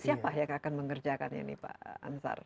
siapa yang akan mengerjakannya nih pak ansar